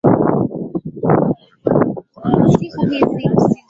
hizo amri kumi Kudumu kwa agano lake na Wao itategemea Utii wao kwa Amri